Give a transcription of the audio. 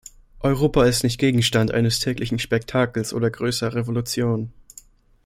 Europa ist nicht Gegenstand eines täglichen Spektakels oder größerer Revolutionen.